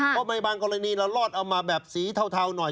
เพราะบางกรณีเรารอดเอามาแบบสีเทาหน่อย